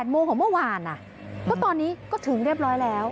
โมงของเมื่อวานก็ตอนนี้ก็ถึงเรียบร้อยแล้ว